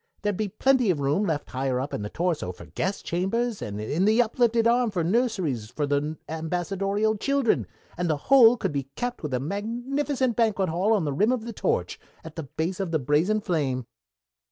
There'd be plenty of room left higher up in the torso for guest chambers, and in the uplifted arm for nurseries for the ambassadorial children, and the whole could be capped with a magnificent banquet hall on the rim of the torch, at the base of the brazen flame."